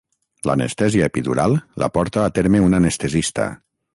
L’anestèsia epidural la porta a terme un anestesista.